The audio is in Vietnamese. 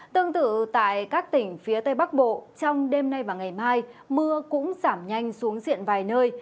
tương tự tại các tỉnh phía tây bắc bộ trong đêm nay và ngày mai mưa cũng giảm nhanh xuống diện vài nơi